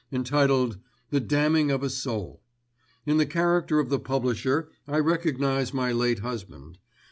entitled The Damning of a Soul. In the character of the publisher I recognise my late husband.